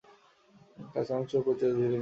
কাকামুচো ধুলোয় মিশে যাবে।